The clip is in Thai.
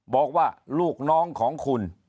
บอกว่าลูกน้องของคุณ